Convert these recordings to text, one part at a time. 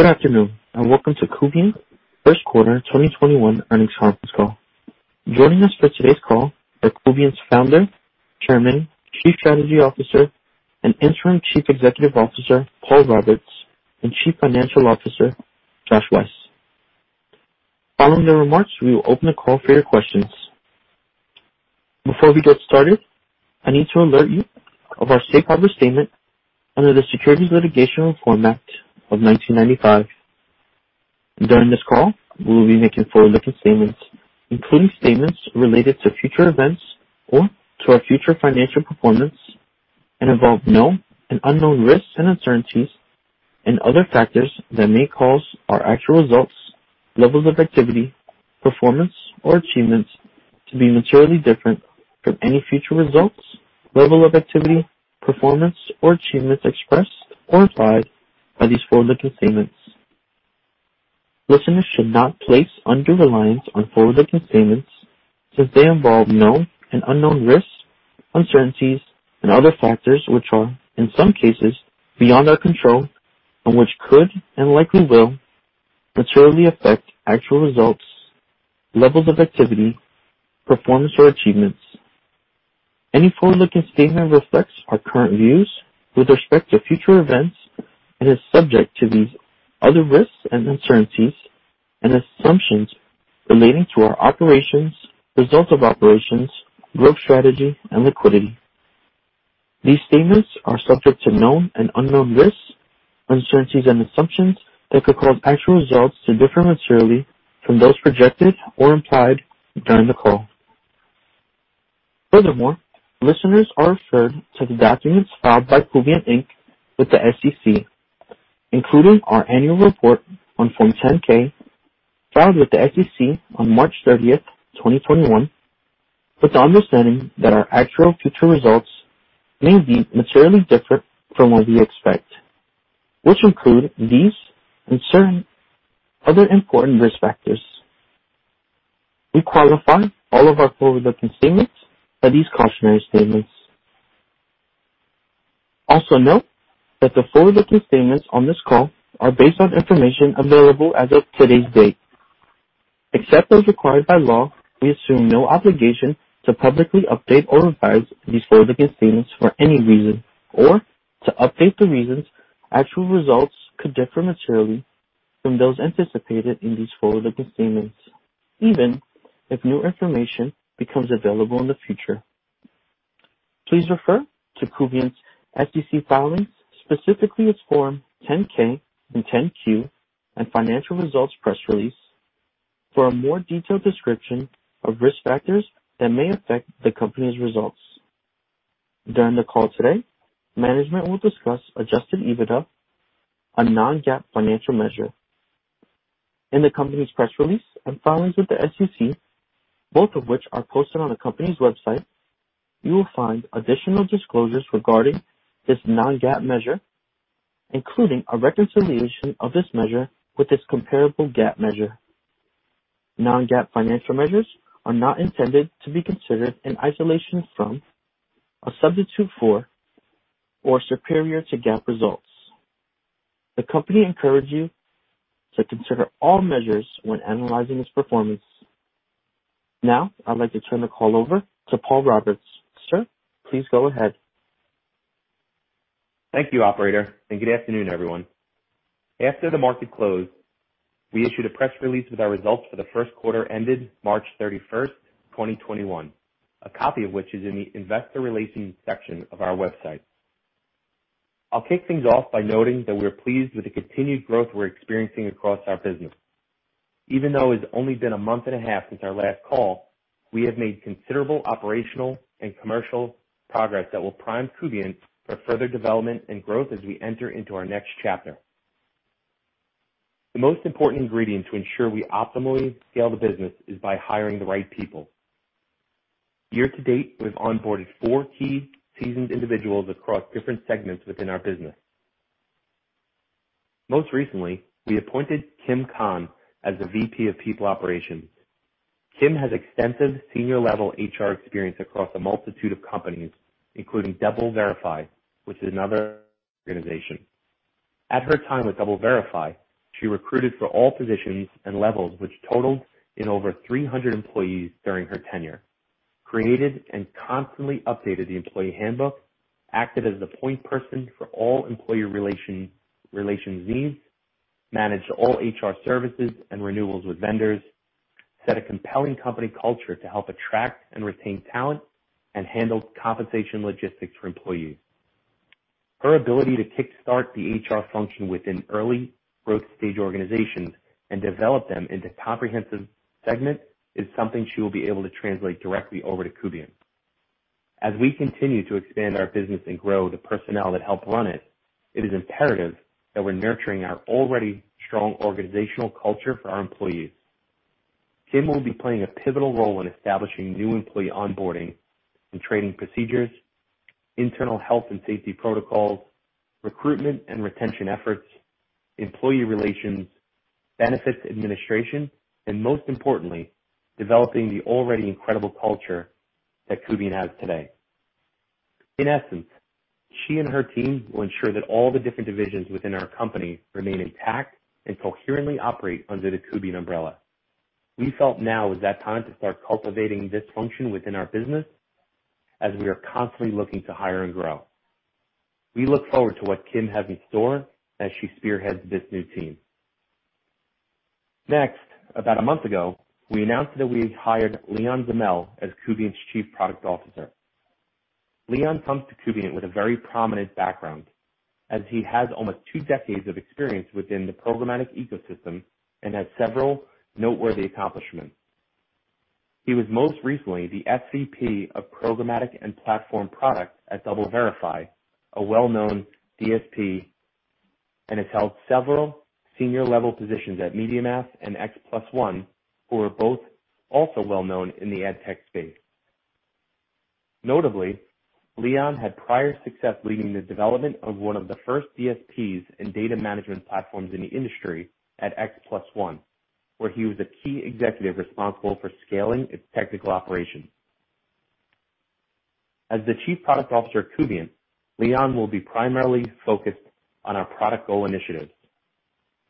Good afternoon, and welcome to Kubient First Quarter 2021 Earnings Conference Call. Joining us for today's call are Kubient's Founder, Chairman, Chief Strategy Officer, and Interim Chief Executive Officer, Paul Roberts, and Chief Financial Officer, Josh Weiss. Following their remarks, we will open the call for your questions. Before we get started, I need to alert you of our safe harbor statement under the Securities Litigation Reform Act of 1995. During this call, we will be making forward-looking statements, including statements related to future events or to our future financial performance, and involve known and unknown risks and uncertainties and other factors that may cause our actual results, levels of activity, performance, or achievements to be materially different from any future results, level of activity, performance, or achievements expressed or implied by these forward-looking statements. Listeners should not place undue reliance on forward-looking statements since they involve known and unknown risks, uncertainties, and other factors, which are, in some cases, beyond our control and which could and likely will materially affect actual results, levels of activity, performance, or achievements. Any forward-looking statement reflects our current views with respect to future events and is subject to these other risks and uncertainties and assumptions relating to our operations, results of operations, growth, strategy, and liquidity. These statements are subject to known and unknown risks, uncertainties, and assumptions that could cause actual results to differ materially from those projected or implied during the call. Furthermore, listeners are referred to the documents filed by Kubient, Inc. with the SEC, including our annual report on Form 10-K filed with the SEC on March 30th, 2021, with the understanding that our actual future results may be materially different from what we expect, which include these and certain other important risk factors. We qualify all of our forward-looking statements by these cautionary statements. Note that the forward-looking statements on this call are based on information available as of today's date. Except as required by law, we assume no obligation to publicly update or revise these forward-looking statements for any reason or to update the reasons actual results could differ materially from those anticipated in these forward-looking statements, even if new information becomes available in the future. Please refer to Kubient's SEC filings, specifically its Form 10-K and 10-Q and financial results press release for a more detailed description of risk factors that may affect the company's results. During the call today, management will discuss adjusted EBITDA, a non-GAAP financial measure. In the company's press release and filings with the SEC, both of which are posted on the company's website, you will find additional disclosures regarding this non-GAAP measure, including a reconciliation of this measure with its comparable GAAP measure. Non-GAAP financial measures are not intended to be considered in isolation from, a substitute for, or superior to GAAP results. The company encourage you to consider all measures when analyzing its performance. Now, I'd like to turn the call over to Paul Roberts. Sir, please go ahead. Thank you, Operator, and good afternoon, everyone. After the market closed, we issued a press release with our results for the first quarter ended March 31st, 2021, a copy of which is in the investor relations section of our website. I'll kick things off by noting that we are pleased with the continued growth we're experiencing across our business. Even though it's only been a month and a half since our last call, we have made considerable operational and commercial progress that will prime Kubient for further development and growth as we enter into our next chapter. The most important ingredient to ensure we optimally scale the business is by hiring the right people. Year-to-date, we've onboarded four key seasoned individuals across different segments within our business. Most recently, we appointed Kim Kahn as the VP of People Operations. Kim has extensive senior-level HR experience across a multitude of companies, including DoubleVerify, which is another organization. At her time with DoubleVerify, she recruited for all positions and levels which totaled in over 300 employees during her tenure, created and constantly updated the employee handbook, acted as the point person for all employee relations needs, managed all HR services and renewals with vendors, set a compelling company culture to help attract and retain talent, and handled compensation logistics for employees. Her ability to kickstart the HR function within early growth stage organizations and develop them into comprehensive segment is something she will be able to translate directly over to Kubient. As we continue to expand our business and grow the personnel that help run it is imperative that we're nurturing our already strong organizational culture for our employees. Kim will be playing a pivotal role in establishing new employee onboarding and training procedures, internal health and safety protocols, recruitment and retention efforts, employee relations, benefits administration, and most importantly, developing the already incredible culture that Kubient has today. In essence, she and her team will ensure that all the different divisions within our company remain intact and coherently operate under the Kubient umbrella. We felt now is that time to start cultivating this function within our business as we are constantly looking to hire and grow. We look forward to what Kim has in store as she spearheads this new team. Next, about a month ago, we announced that we hired Leon Zemel as Kubient's Chief Product Officer. Leon comes to Kubient with a very prominent background as he has almost two decades of experience within the programmatic ecosystem and has several noteworthy accomplishments. He was most recently the SVP of Programmatic and Platform Product at DoubleVerify, a well-known DSP, and has held several senior level positions at MediaMath and [x+1], who are both also well-known in the ad tech space. Notably, Leon had prior success leading the development of one of the first DSPs in data management platforms in the industry at [x+1], where he was a key executive responsible for scaling its technical operations. As the Chief Product Officer at Kubient, Leon will be primarily focused on our product goal initiatives.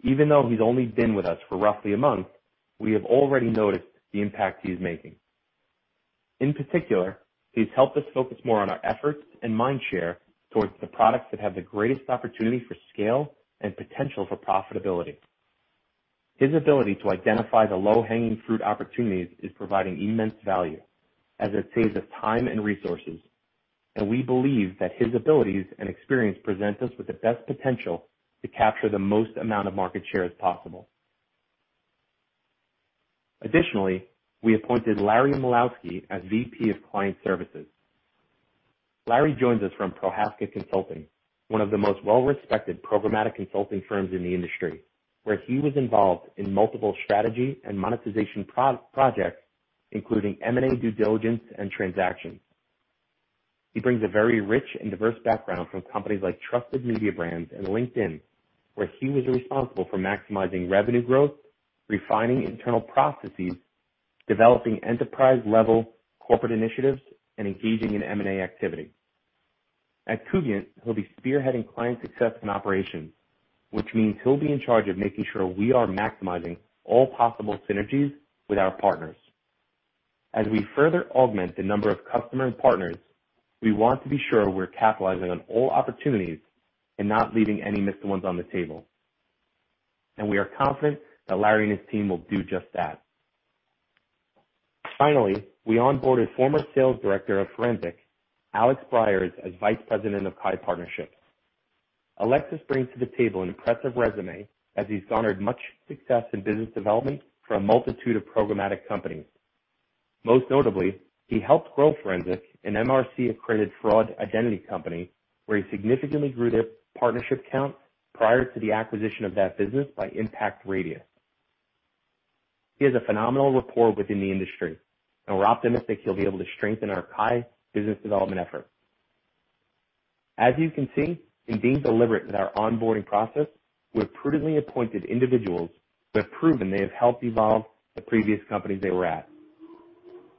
Even though he's only been with us for roughly a month, we have already noticed the impact he is making. In particular, he's helped us focus more on our efforts and mind share towards the products that have the greatest opportunity for scale and potential for profitability. His ability to identify the low-hanging fruit opportunities is providing immense value as it saves us time and resources. We believe that his abilities and experience present us with the best potential to capture the most amount of market share as possible. Additionally, we appointed Larry Mlawski as VP of Client Services. Larry joins us from Prohaska Consulting, one of the most well-respected programmatic consulting firms in the industry, where he was involved in multiple strategy and monetization projects, including M&A due diligence and transactions. He brings a very rich and diverse background from companies like Trusted Media Brands and LinkedIn, where he was responsible for maximizing revenue growth, refining internal processes, developing enterprise-level corporate initiatives, and engaging in M&A activity. At Kubient, he'll be spearheading client success and operations, which means he'll be in charge of making sure we are maximizing all possible synergies with our partners. As we further augment the number of customer and partners, we want to be sure we're capitalizing on all opportunities and not leaving any missed ones on the table. We are confident that Larry and his team will do just that. Finally, we onboarded former sales director of Forensiq, Alex Bryers, as Vice President of KAI Partnerships. Alex brings to the table an impressive resume as he's garnered much success in business development for a multitude of programmatic companies. Most notably, he helped grow Forensiq, an MRC-accredited fraud identity company, where he significantly grew their partnership count prior to the acquisition of that business by Impact Radius. He has a phenomenal rapport within the industry, and we're optimistic he'll be able to strengthen our KAI business development effort. As you can see, in being deliberate with our onboarding process, we have prudently appointed individuals that have proven they have helped evolve the previous companies they were at.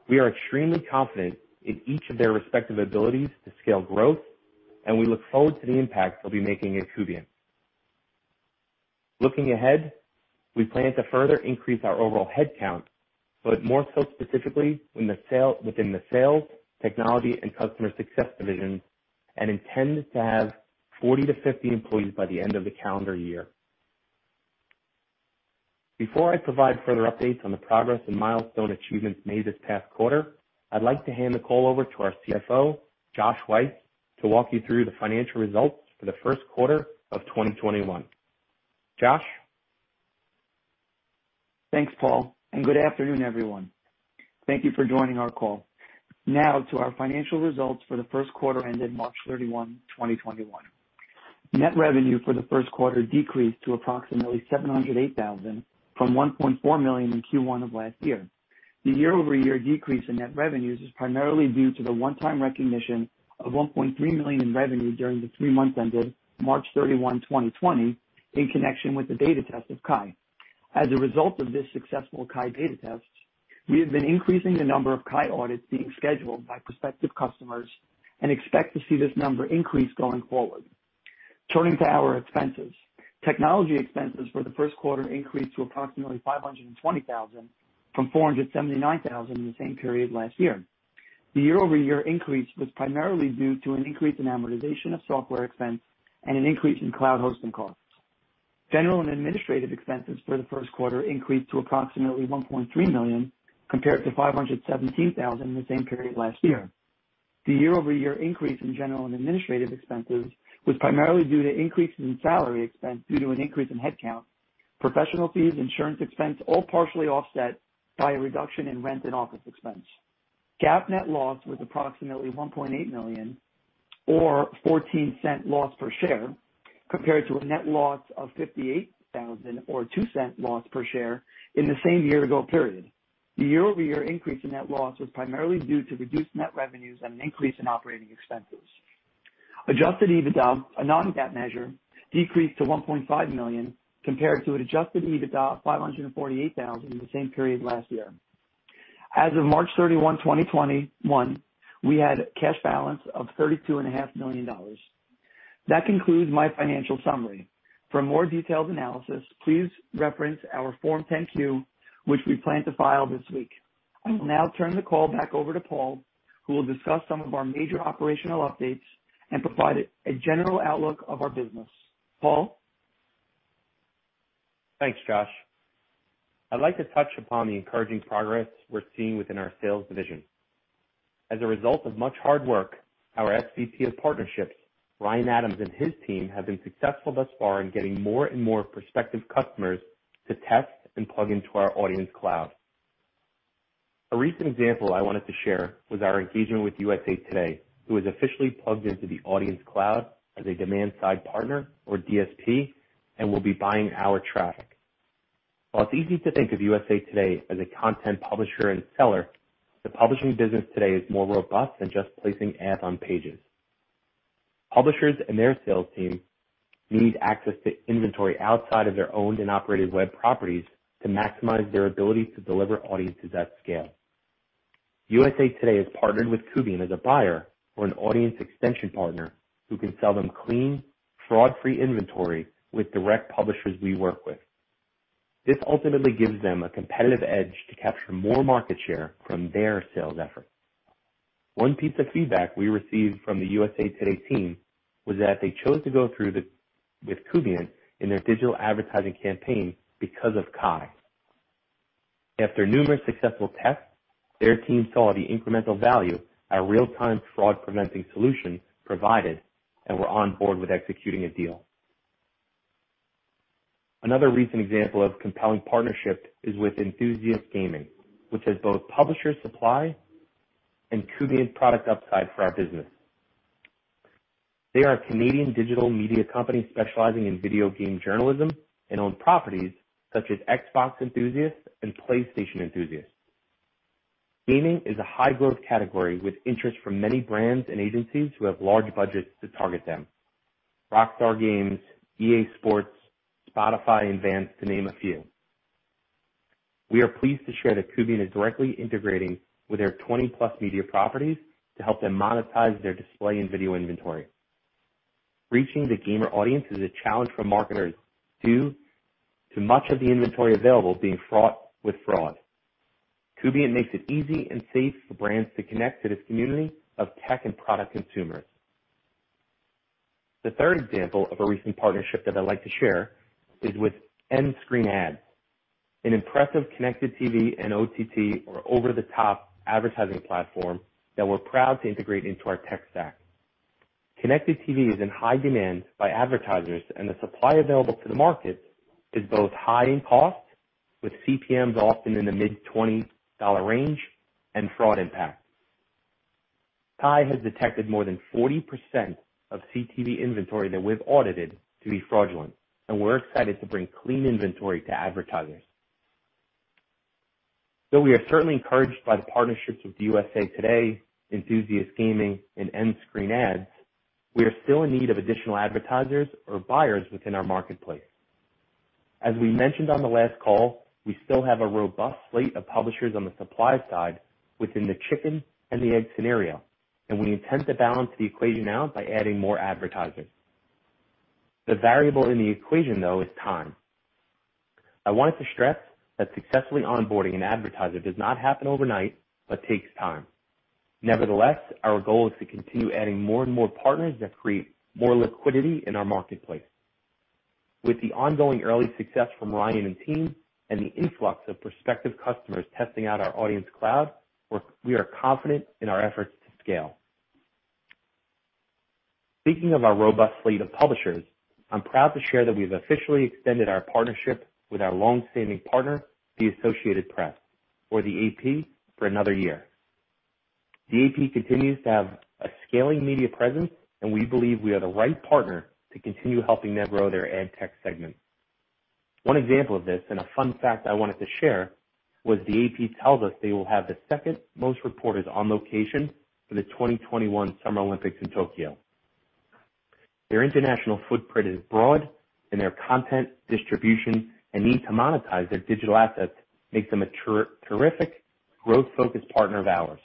We are extremely confident in each of their respective abilities to scale growth, and we look forward to the impact they'll be making at Kubient. Looking ahead, we plan to further increase our overall head count, but more so specifically within the sales, technology and customer success divisions, and intend to have 40-50 employees by the end of the calendar year. Before I provide further updates on the progress and milestone achievements made this past quarter, I'd like to hand the call over to our CFO, Josh Weiss, to walk you through the financial results for the first quarter of 2021. Josh? Thanks, Paul. Good afternoon, everyone. Thank you for joining our call. To our financial results for the first quarter ended March 31, 2021. Net revenue for the first quarter decreased to approximately $708,000 from $1.4 million in Q1 of last year. The year-over-year decrease in net revenues is primarily due to the one-time recognition of $1.3 million in revenue during the three months ended March 31, 2020, in connection with the beta test of KAI. As a result of this successful KAI beta tests, we have been increasing the number of KAI audits being scheduled by prospective customers and expect to see this number increase going forward. Turning to our expenses. Technology expenses for the first quarter increased to approximately $520,000 from $479,000 in the same period last year. The year-over-year increase was primarily due to an increase in amortization of software expense and an increase in cloud hosting costs. General and administrative expenses for the first quarter increased to approximately $1.3 million, compared to $517,000 in the same period last year. The year-over-year increase in general and administrative expenses was primarily due to increases in salary expense due to an increase in headcount, professional fees, insurance expense, all partially offset by a reduction in rent and office expense. GAAP net loss was approximately $1.8 million or $0.14 loss per share, compared to a net loss of $58,000 or $0.02 loss per share in the same year-ago period. The year-over-year increase in net loss was primarily due to reduced net revenues and an increase in operating expenses. Adjusted EBITDA, a non-GAAP measure, decreased to $1.5 million compared to adjusted EBITDA of $548,000 in the same period last year. As of March 31, 2021, we had cash balance of $32.5 million. That concludes my financial summary. For more detailed analysis, please reference our Form 10-Q, which we plan to file this week. I will now turn the call back over to Paul, who will discuss some of our major operational updates and provide a general outlook of our business. Paul? Thanks, Josh. I'd like to touch upon the encouraging progress we're seeing within our sales division. As a result of much hard work, our SVP of Partnerships, Ryan Adams, and his team have been successful thus far in getting more and more prospective customers to test and plug into our Audience Cloud. A recent example I wanted to share was our engagement with USA Today, who has officially plugged into the Audience Cloud as a demand-side partner or DSP and will be buying our traffic. While it's easy to think of USA Today as a content publisher and seller, the publishing business today is more robust than just placing ads on pages. Publishers and their sales team need access to inventory outside of their owned and operated web properties to maximize their ability to deliver audiences at scale. USA Today has partnered with Kubient as a buyer or an audience extension partner who can sell them clean, fraud-free inventory with direct publishers we work with. This ultimately gives them a competitive edge to capture more market share from their sales efforts. One piece of feedback we received from the USA Today team was that they chose to go through with Kubient in their digital advertising campaign because of KAI. After numerous successful tests, their team saw the incremental value our real-time fraud preventing solution provided and were on board with executing a deal. Another recent example of compelling partnership is with Enthusiast Gaming, which has both publisher supply and Kubient product upside for our business. They are a Canadian digital media company specializing in video game journalism and own properties such as Xbox Enthusiast and PlayStation Enthusiast. Gaming is a high growth category with interest from many brands and agencies who have large budgets to target them. Rockstar Games, EA Sports, Spotify, and Vans to name a few. We are pleased to share that Kubient is directly integrating with their 20+ media properties to help them monetize their display and video inventory. Reaching the gamer audience is a challenge for marketers due to much of the inventory available being fraught with fraud. Kubient makes it easy and safe for brands to connect to this community of tech and product consumers. The third example of a recent partnership that I'd like to share is with Endscreen Ads, an impressive connected TV and OTT or over-the-top advertising platform that we're proud to integrate into our tech stack. Connected TV is in high demand by advertisers, and the supply available to the market is both high in cost, with CPMs often in the mid $20 range, and fraud impact. KAI has detected more than 40% of CTV inventory that we've audited to be fraudulent, and we're excited to bring clean inventory to advertisers. We are certainly encouraged by the partnerships with USA Today, Enthusiast Gaming, and Endscreen Ads, we are still in need of additional advertisers or buyers within our marketplace. As we mentioned on the last call, we still have a robust slate of publishers on the supply side within the chicken and the egg scenario, and we intend to balance the equation out by adding more advertisers. The variable in the equation, though, is time. I wanted to stress that successfully onboarding an advertiser does not happen overnight but takes time. Nevertheless, our goal is to continue adding more and more partners that create more liquidity in our marketplace. With the ongoing early success from Ryan and team and the influx of prospective customers testing out our Audience Cloud, we are confident in our efforts to scale. Speaking of our robust fleet of publishers, I'm proud to share that we've officially extended our partnership with our long-standing partner, the Associated Press or the AP, for another year. The AP continues to have a scaling media presence, and we believe we are the right partner to continue helping them grow their ad tech segment. One example of this, and a fun fact I wanted to share, was the AP tells us they will have the second most reporters on location for the 2021 Summer Olympics in Tokyo. Their international footprint is broad, and their content distribution and need to monetize their digital assets makes them a terrific growth-focused partner of ours.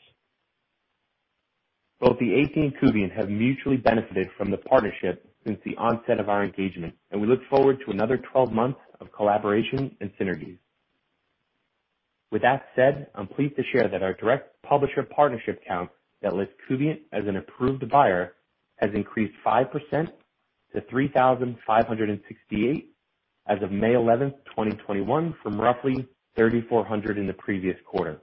Both the AP and Kubient have mutually benefited from the partnership since the onset of our engagement, and we look forward to another 12 months of collaboration and synergies. With that said, I'm pleased to share that our direct publisher partnership count that lists Kubient as an approved buyer has increased 5% to 3,568 as of May 11th, 2021, from roughly 3,400 in the previous quarter.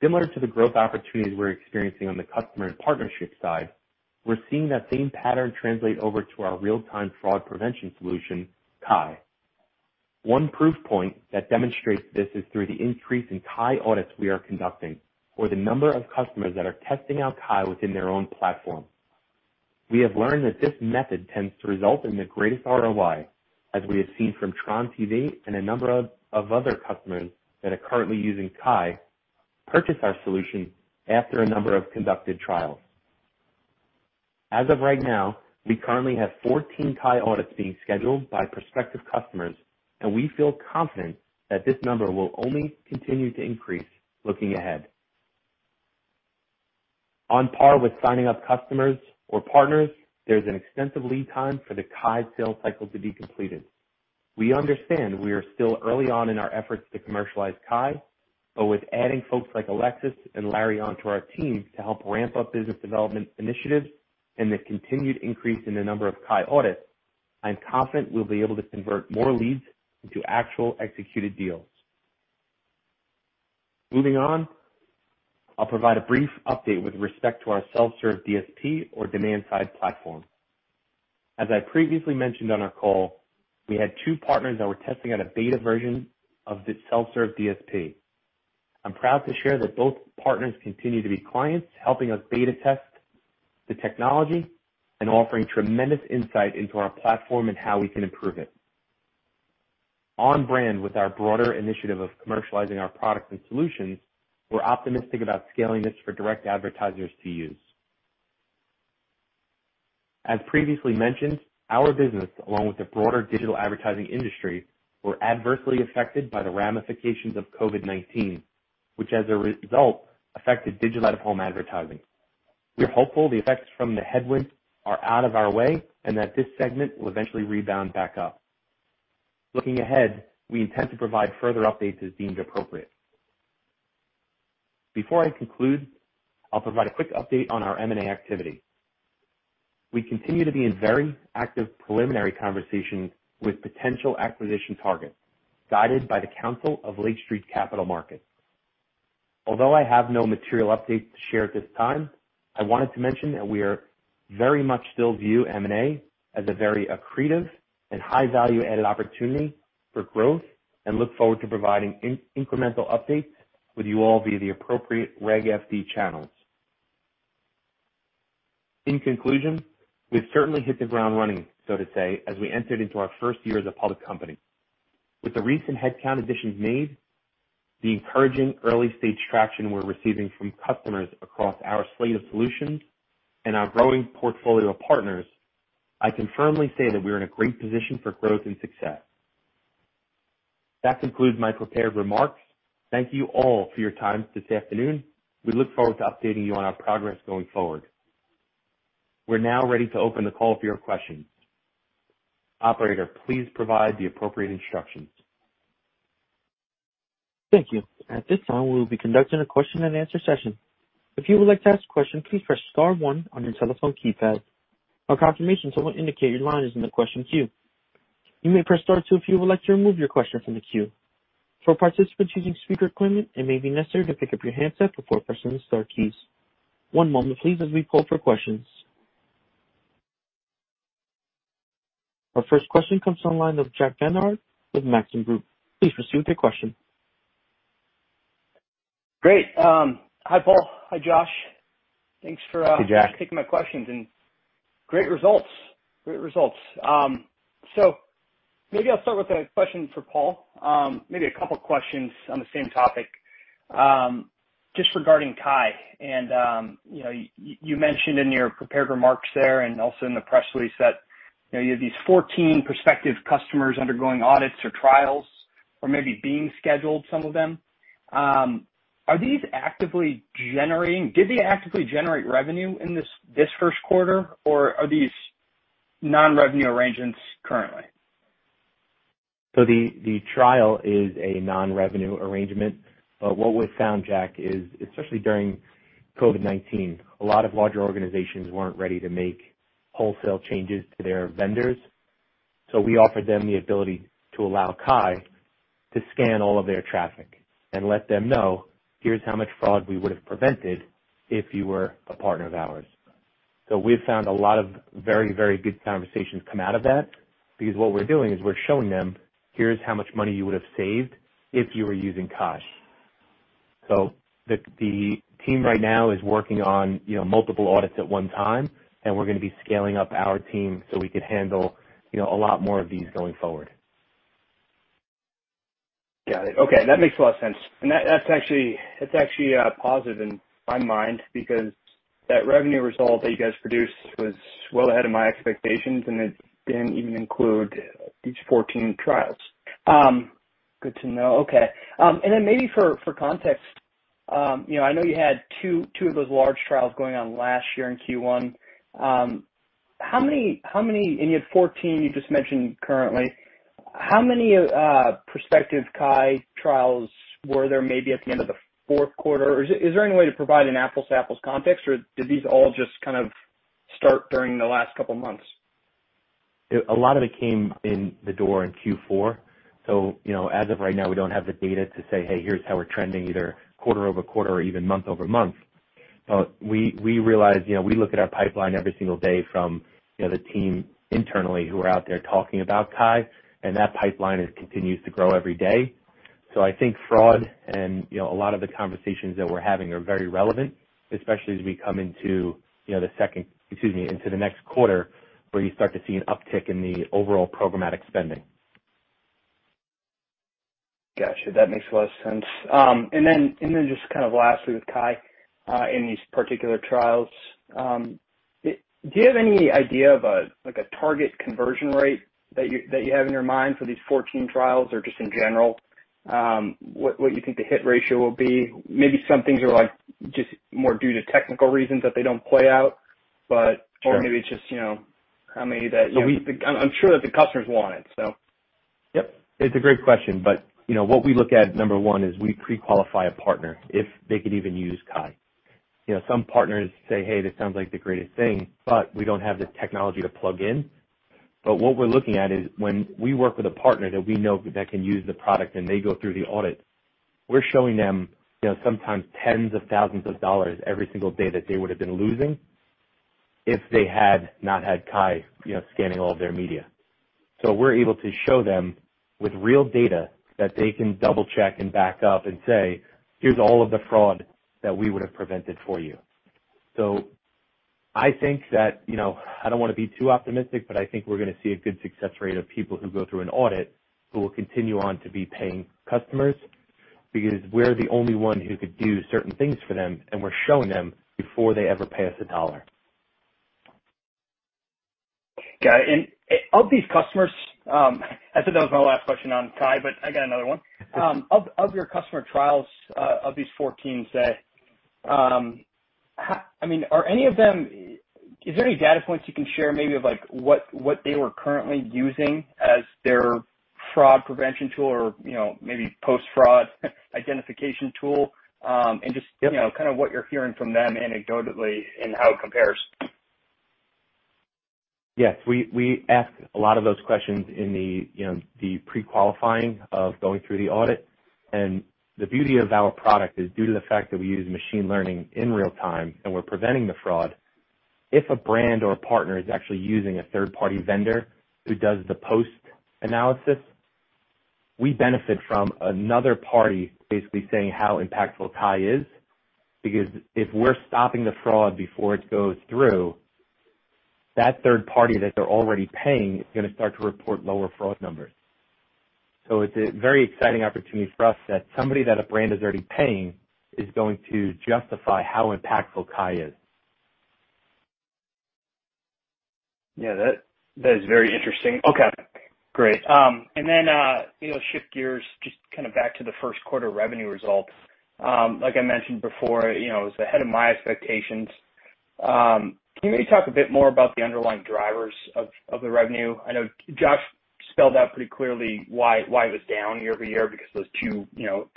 Similar to the growth opportunities we're experiencing on the customer and partnership side, we're seeing that same pattern translate over to our real-time fraud prevention solution, KAI. One proof point that demonstrates this is through the increase in KAI audits we are conducting or the number of customers that are testing out KAI within their own platform. We have learned that this method tends to result in the greatest ROI, as we have seen from Tron TV and a number of other customers that are currently using KAI purchase our solution after a number of conducted trials. As of right now, we currently have 14 KAI audits being scheduled by prospective customers, and we feel confident that this number will only continue to increase looking ahead. On par with signing up customers or partners, there's an extensive lead time for the KAI sales cycle to be completed. We understand we are still early on in our efforts to commercialize KAI, but with adding folks like Alexis and Larry onto our team to help ramp up business development initiatives and the continued increase in the number of KAI audits, I'm confident we'll be able to convert more leads into actual executed deals. Moving on, I'll provide a brief update with respect to our self-serve DSP or Demand-Side Platform. As I previously mentioned on our call, we had two partners that were testing out a beta version of the self-serve DSP. I'm proud to share that both partners continue to be clients, helping us beta test the technology and offering tremendous insight into our platform and how we can improve it. On brand with our broader initiative of commercializing our products and solutions, we're optimistic about scaling this for direct advertisers to use. As previously mentioned, our business, along with the broader digital advertising industry, were adversely affected by the ramifications of COVID-19, which, as a result, affected digital out-of-home advertising. We're hopeful the effects from the headwind are out of our way and that this segment will eventually rebound back up. Looking ahead, we intend to provide further updates as deemed appropriate. Before I conclude, I'll provide a quick update on our M&A activity. We continue to be in very active preliminary conversations with potential acquisition targets, guided by the council of Lake Street Capital Markets. Although I have no material updates to share at this time, I wanted to mention that we very much still view M&A as a very accretive and high value-added opportunity for growth and look forward to providing incremental updates with you all via the appropriate Regulation FD channels. In conclusion, we've certainly hit the ground running, so to say, as we entered into our first year as a public company. With the recent headcount additions made, the encouraging early-stage traction we're receiving from customers across our slate of solutions, and our growing portfolio of partners, I can firmly say that we are in a great position for growth and success. That concludes my prepared remarks. Thank you all for your time this afternoon. We look forward to updating you on our progress going forward. We're now ready to open the call for your questions. Operator, please provide the appropriate instructions. Thank you. At this time, we will be conducting our question and answer session. If you would like to ask a question, please press star one on your telephone keypad. A confirmation tone will indicate your line is on the question queue. You may press star two if you would like to remove your question from the queue. For participants using a speaker phone, it may be necessary to pick up your handset before pressing star keys. One moment please as we pull for questions. Our first question comes from the line of Jack Vander Aarde with Maxim Group. Please proceed with your question. Great. Hi Paul. Hi Josh. Hey, Jack. Thanks for taking my questions. Great results. Maybe I'll start with a question for Paul, maybe a couple questions on the same topic. Just regarding KAI, you mentioned in your prepared remarks there and also in the press release that you have these 14 prospective customers undergoing audits or trials or maybe being scheduled, some of them. Did they actively generate revenue in this first quarter, or are these non-revenue arrangements currently? The trial is a non-revenue arrangement. What we've found, Jack, is especially during COVID-19, a lot of larger organizations weren't ready to make wholesale changes to their vendors. We offered them the ability to allow KAI to scan all of their traffic and let them know, here's how much fraud we would have prevented if you were a partner of ours. We've found a lot of very good conversations come out of that, because what we're doing is we're showing them, here's how much money you would have saved if you were using KAI. The team right now is working on multiple audits at one time, and we're going to be scaling up our team so we could handle a lot more of these going forward. Got it. Okay. That makes a lot of sense. That's actually positive in my mind because that revenue result that you guys produced was well ahead of my expectations, and it didn't even include these 14 trials. Good to know. Okay. Maybe for context, I know you had two of those large trials going on last year in Q1. How many, and you had 14 you just mentioned currently, how many prospective KAI trials were there maybe at the end of the fourth quarter? Is there any way to provide an apples-to-apples context, or did these all just kind of start during the last couple of months? A lot of it came in the door in Q4. As of right now, we don't have the data to say, "Hey, here's how we're trending either quarter-over-quarter or even month-over-month." We realize, we look at our pipeline every single day from the team internally who are out there talking about KAI, and that pipeline continues to grow every day. I think fraud and a lot of the conversations that we're having are very relevant, especially as we come into the next quarter, where you start to see an uptick in the overall programmatic spending. Got you. That makes a lot of sense. Just kind of lastly with KAI, in these particular trials, do you have any idea of a target conversion rate that you have in your mind for these 14 trials or just in general? What you think the hit ratio will be? Maybe some things are just more due to technical reasons that they don't play out. Sure. Maybe it's just how many? So we- I'm sure that the customers want it. Yep. It's a great question. What we look at, number one, is we pre-qualify a partner if they could even use KAI. Some partners say, "Hey, this sounds like a great thing, but we don't have the technology to plug in." What we're looking at is when we work with a partner that we know that can use the product and they go through the audit, we're showing them sometimes tens of thousands of dollars every single day that they would've been losing if they had not had KAI scanning all of their media. We're able to show them with real data that they can double check and back up and say, "Here's all of the fraud that we would've prevented for you." I think that, I don't want to be too optimistic, but I think we're going to see a good success rate of people who go through an audit who will continue on to be paying customers because we're the only one who could do certain things for them, and we're showing them before they ever pay us $1. Got it. Of these customers, I said that was my last question on KAI, but I got another one. Of your customer trials, of these 14 set, is there any data points you can share maybe of what they were currently using as their fraud prevention tool or maybe post-fraud identification tool? Yep. Kind of what you're hearing from them anecdotally and how it compares? Yes. We ask a lot of those questions in the pre-qualifying of going through the audit. The beauty of our product is due to the fact that we use machine learning in real time, and we're preventing the fraud. If a brand or a partner is actually using a third-party vendor who does the post-analysis, we benefit from another party basically saying how impactful KAI is, because if we're stopping the fraud before it goes through, that third party that they're already paying is going to start to report lower fraud numbers. It's a very exciting opportunity for us that somebody that a brand is already paying is going to justify how impactful KAI is. Yeah, that is very interesting. Okay, great. Shift gears just back to the first quarter revenue results. Like I mentioned before, it was ahead of my expectations. Can you maybe talk a bit more about the underlying drivers of the revenue? I know Josh spelled out pretty clearly why it was down year-over-year because those two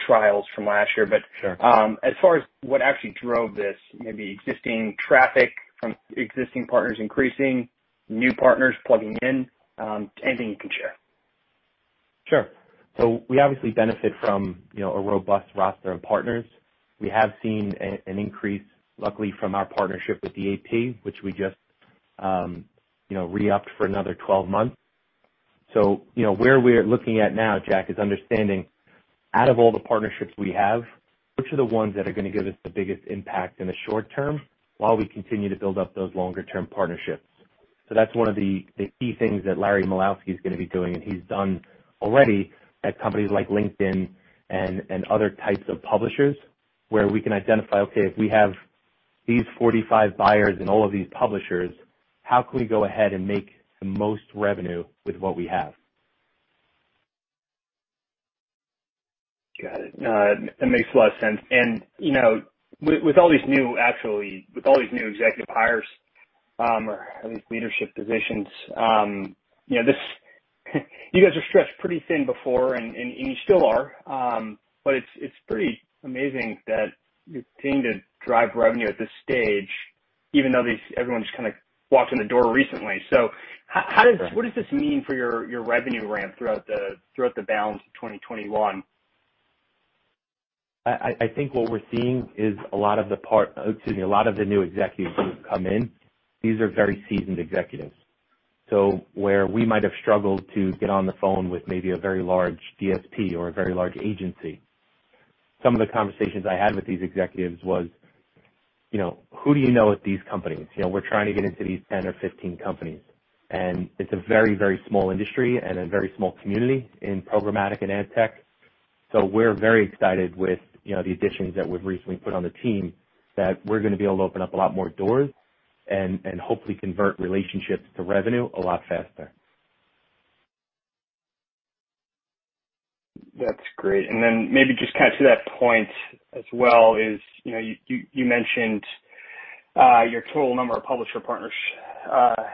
trials from last year. Sure. As far as what actually drove this, maybe existing traffic from existing partners increasing, new partners plugging in, anything you can share? Sure. We obviously benefit from a robust roster of partners. We have seen an increase, luckily, from our partnership with the AP, which we just re-upped for another 12 months. Where we're looking at now, Jack, is understanding out of all the partnerships we have, which are the ones that are going to give us the biggest impact in the short term while we continue to build up those longer-term partnerships. That's one of the key things that Larry Mlawski is going to be doing, and he's done already at companies like LinkedIn and other types of publishers, where we can identify, okay, if we have these 45 buyers and all of these publishers, how can we go ahead and make the most revenue with what we have? Got it. No, that makes a lot of sense. With all these new executive hires, or at least leadership positions, you guys are stretched pretty thin before and you still are. It's pretty amazing that you're continuing to drive revenue at this stage even though everyone just kind of walked in the door recently. Sure. What does this mean for your revenue ramp throughout the balance of 2021? I think what we're seeing is a lot of the, excuse me, a lot of the new executives who have come in, these are very seasoned executives. Where we might have struggled to get on the phone with maybe a very large DSP or a very large agency, some of the conversations I had with these executives was, who do you know at these companies? We're trying to get into these 10 or 15 companies. It's a very, very small industry and a very small community in programmatic and ad tech. We're very excited with the additions that we've recently put on the team that we're going to be able to open up a lot more doors and hopefully convert relationships to revenue a lot faster. That's great. Maybe just to that point as well is, you mentioned your total number of publisher partners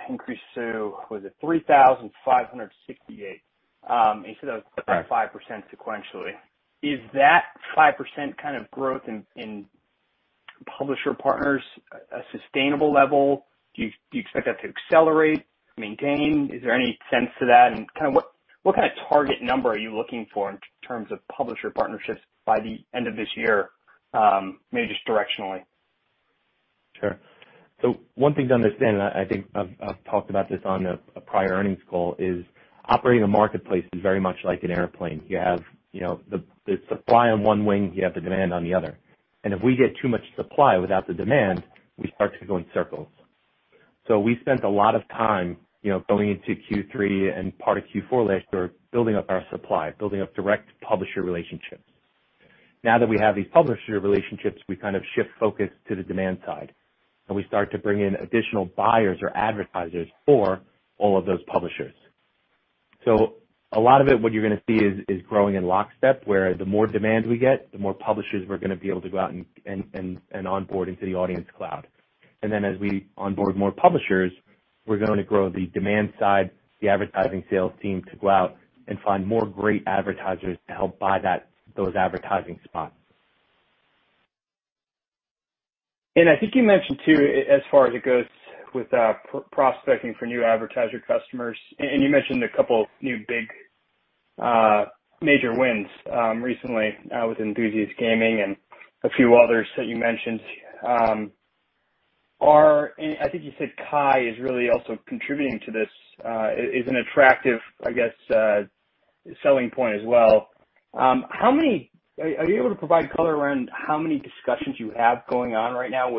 increased to, was it 3,568? You said that was up 5% sequentially. Is that 5% kind of growth in publisher partners a sustainable level? Do you expect that to accelerate, maintain? Is there any sense to that? What kind of target number are you looking for in terms of publisher partnerships by the end of this year? Maybe just directionally. Sure. One thing to understand, and I think I've talked about this on a prior earnings call, is operating a marketplace is very much like an airplane. You have the supply on one wing, you have the demand on the other. If we get too much supply without the demand, we start to go in circles. We spent a lot of time going into Q3 and part of Q4 last year building up our supply, building up direct publisher relationships. Now that we have these publisher relationships, we kind of shift focus to the demand side, and we start to bring in additional buyers or advertisers for all of those publishers. A lot of it, what you're going to see is growing in lockstep where the more demand we get, the more publishers we're going to be able to go out and onboard into the Audience Cloud. As we onboard more publishers, we're going to grow the demand side, the advertising sales team, to go out and find more great advertisers to help buy those advertising spots. I think you mentioned too, as far as it goes with prospecting for new advertiser customers, and you mentioned a couple of new big major wins recently with Enthusiast Gaming and a few others that you mentioned. I think you said KAI is really also contributing to this. Is an attractive selling point as well. Are you able to provide color around how many discussions you have going on right now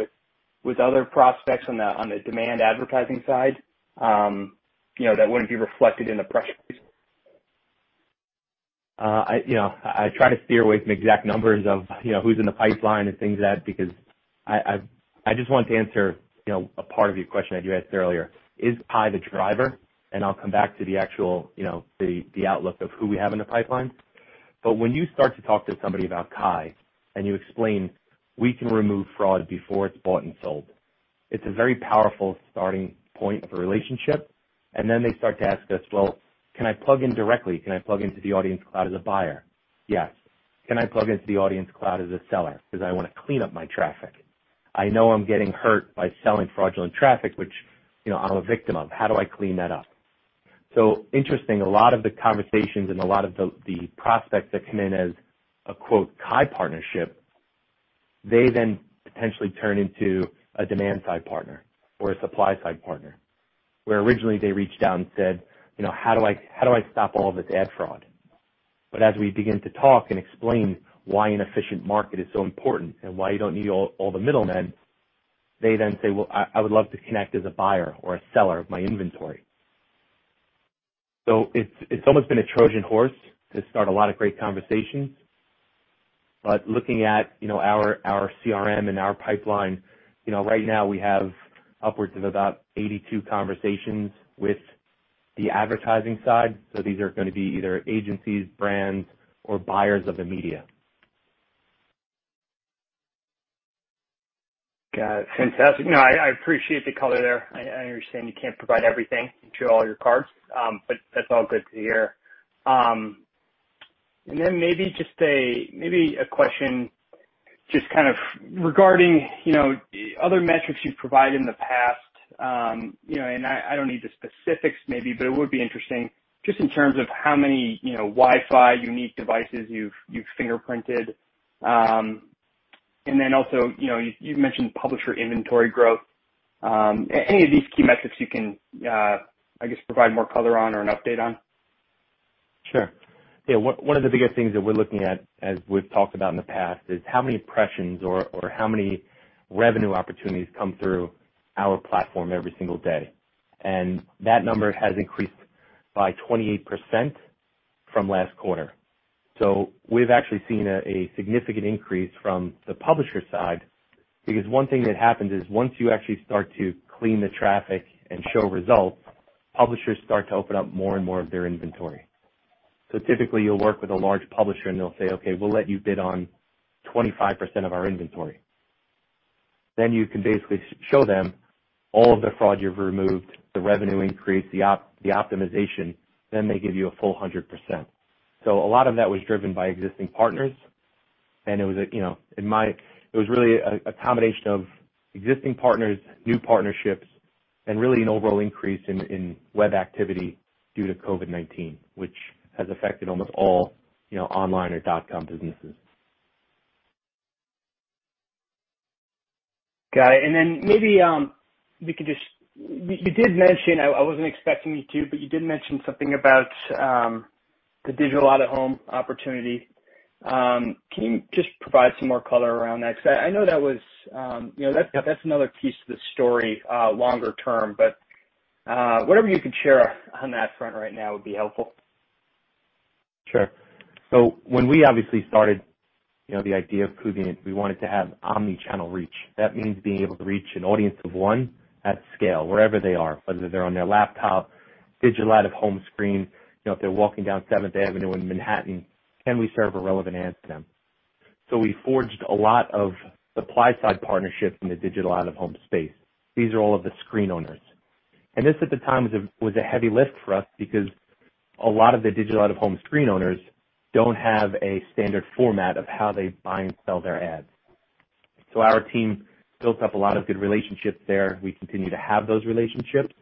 with other prospects on the demand advertising side that wouldn't be reflected in the press release? I try to steer away from exact numbers of who's in the pipeline and things like that because I just want to answer a part of your question that you asked earlier, is KAI the driver? I'll come back to the actual outlook of who we have in the pipeline. When you start to talk to somebody about KAI and you explain we can remove fraud before it's bought and sold, it's a very powerful starting point of a relationship. Then they start to ask us, "Well, can I plug in directly? Can I plug into the Audience Cloud as a buyer?" Yes. "Can I plug into the Audience Cloud as a seller because I want to clean up my traffic? I know I'm getting hurt by selling fraudulent traffic, which I'm a victim of. How do I clean that up?" Interesting, a lot of the conversations and a lot of the prospects that come in as a quote KAI partnership, they then potentially turn into a demand-side partner or a supply-side partner. Where originally they reached out and said, "How do I stop all of this ad fraud?" As we begin to talk and explain why an efficient market is so important and why you don't need all the middlemen, they then say, "Well, I would love to connect as a buyer or a seller of my inventory." It's almost been a Trojan horse to start a lot of great conversations. Looking at our CRM and our pipeline, right now we have upwards of about 82 conversations with the advertising side. These are going to be either agencies, brands, or buyers of the media. Got it. Fantastic. I appreciate the color there. I understand you can't provide everything, show all your cards. That's all good to hear. Then maybe a question just kind of regarding other metrics you've provided in the past. I don't need the specifics maybe, it would be interesting just in terms of how many Wi-Fi unique devices you've fingerprinted. Then also, you've mentioned publisher inventory growth. Any of these key metrics you can provide more color on or an update on? Sure. Yeah, one of the biggest things that we're looking at, as we've talked about in the past, is how many impressions or how many revenue opportunities come through our platform every single day. That number has increased by 28% from last quarter. We've actually seen a significant increase from the publisher side because one thing that happens is once you actually start to clean the traffic and show results, publishers start to open up more and more of their inventory. Typically you'll work with a large publisher and they'll say, "Okay, we'll let you bid on 25% of our inventory." You can basically show them all of the fraud you've removed, the revenue increase, the optimization, then they give you a full 100%. A lot of that was driven by existing partners and it was really a combination of existing partners, new partnerships, and really an overall increase in web activity due to COVID-19, which has affected almost all online or dot com businesses. Got it. You did mention, I wasn't expecting you to, but you did mention something about the digital out-of-home opportunity. Can you just provide some more color around that? I know that's another piece to the story longer term, but whatever you could share on that front right now would be helpful. Sure. When we obviously started the idea of Kubient, we wanted to have omni-channel reach. That means being able to reach an audience of one at scale wherever they are, whether they're on their laptop, digital out-of-home screen. If they're walking down 7th Avenue in Manhattan, can we serve a relevant ad to them? We forged a lot of supply-side partnerships in the digital out-of-home space. These are all of the screen owners. This at the time was a heavy lift for us because a lot of the digital out-of-home screen owners don't have a standard format of how they buy and sell their ads. Our team built up a lot of good relationships there. We continue to have those relationships.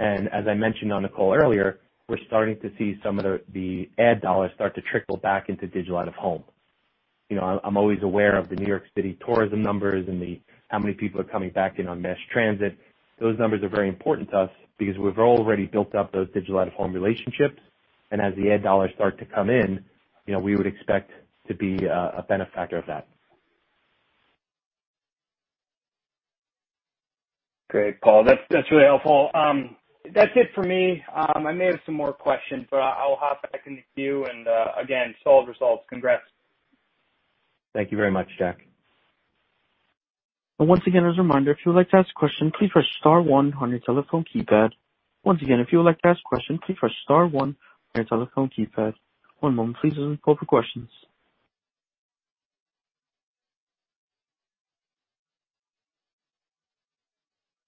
As I mentioned on the call earlier, we're starting to see some of the ad dollars start to trickle back into digital out-of-home. I'm always aware of the New York City tourism numbers and how many people are coming back in on mass transit. Those numbers are very important to us because we've already built up those digital out-of-home relationships. As the ad dollars start to come in, we would expect to be a benefactor of that. Great, Paul. That's really helpful. That's it for me. I may have some more questions, but I'll hop back in the queue. Again, solid results. Congrats. Thank you very much, Jack. Once again, as a reminder, if you would like to ask a question, please press star one on your telephone keypad. Once again, if you would like to ask a question, please press star one on your telephone keypad. One moment please as we pull for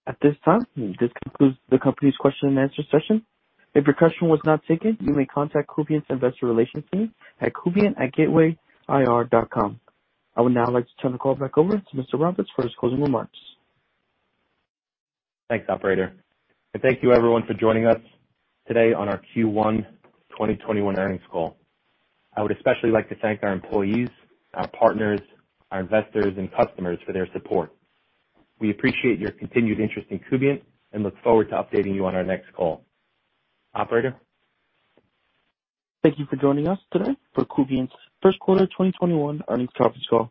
questions. At this time, this concludes the company's question and answer session. If your question was not taken, you may contact Kubient's investor relations team at kubient@gatewayir.com. I would now like to turn the call back over to Mr. Roberts for his closing remarks. Thanks, Operator. Thank you everyone for joining us today on our Q1 2021 earnings call. I would especially like to thank our employees, our partners, our investors, and customers for their support. We appreciate your continued interest in Kubient and look forward to updating you on our next call. Operator? Thank you for joining us today for Kubient's first quarter 2021 earnings conference call.